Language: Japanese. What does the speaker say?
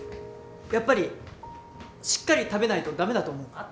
やっぱりしっかり食べないと駄目だと思う。